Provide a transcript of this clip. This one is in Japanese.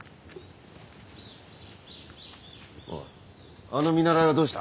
おいあの見習いはどうした？